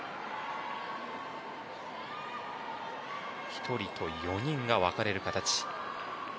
１人と４人が分かれる形。